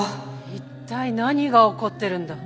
一体何が起こってるんだ？